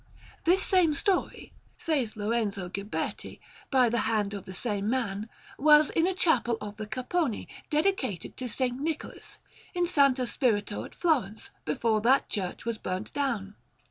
This same story, says Lorenzo Ghiberti, by the hand of the same man, was in a chapel of the Capponi, dedicated to S. Nicholas, in S. Spirito at Florence, before that church was burnt down.